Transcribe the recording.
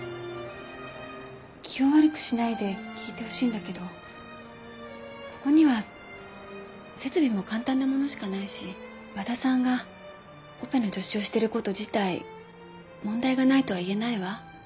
気を悪くしないで聞いてほしいんだけどここには設備も簡単な物しかないし和田さんがオペの助手をしてること自体問題がないとは言えないわ。